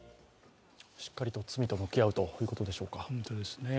しっかりと罪と向き合うということでしょうか。